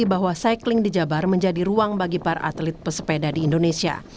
bahwa cycling di jabar menjadi ruang bagi para atlet pesepeda di indonesia